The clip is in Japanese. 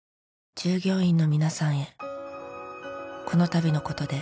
「従業員の皆さんへこのたびのことで」